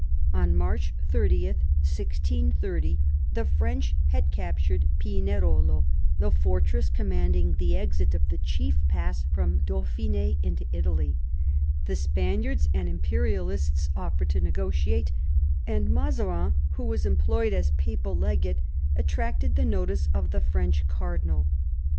On March 30, 1630, the French had captured Pinerolo, the fortress commanding the exit of the chief pass from Dauphin^ into Italy. The Spaniards and Imperialists offered to negotiate, and Mazarin, who was employed as papal legate, attracted the notice of the French cardinal.